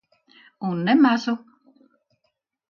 Un ne mazu.